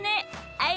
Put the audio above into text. はい。